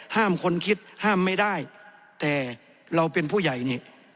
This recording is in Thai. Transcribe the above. คนคิดห้ามไม่ได้แต่เราเป็นผู้ใหญ่นี่